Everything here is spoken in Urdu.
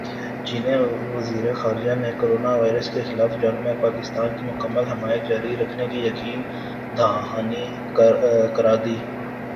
چینی وزیرخارجہ نے کورونا وائرس کےخلاف جنگ میں پاکستان کی مکمل حمایت جاری رکھنے کی یقین دہانی کرادی